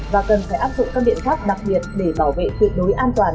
và cần phải áp dụng các biện pháp đặc biệt để bảo vệ tuyệt đối an toàn